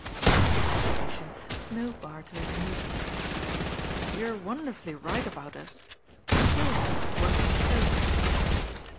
Mitchy's appreciation was no bar to his amusement. "You're wonderfully right about us. But still it was a stroke."